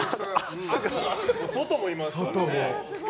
外もいますからね。